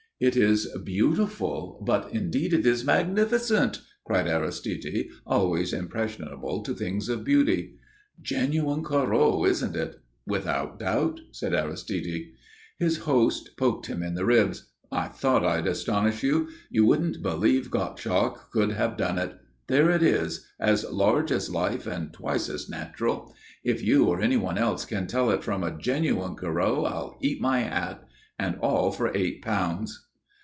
"It is beautiful, but indeed it is magnificent!" cried Aristide, always impressionable to things of beauty. "Genuine Corot, isn't it?" "Without doubt," said Aristide. His host poked him in the ribs. "I thought I'd astonish you. You wouldn't believe Gottschalk could have done it. There it is as large as life and twice as natural. If you or anyone else can tell it from a genuine Corot I'll eat my hat. And all for eight pounds."